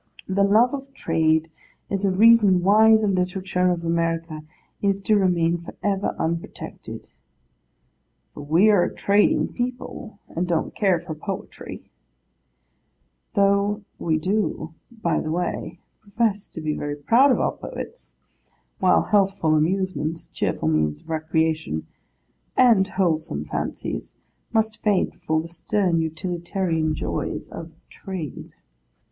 The love of trade is a reason why the literature of America is to remain for ever unprotected 'For we are a trading people, and don't care for poetry:' though we do, by the way, profess to be very proud of our poets: while healthful amusements, cheerful means of recreation, and wholesome fancies, must fade before the stern utilitarian joys of trade.